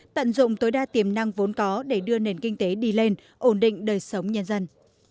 tận dụng tối đa tiềm năng vốn có để đưa nền kinh tế đi lên ổn định đời sống nhân dân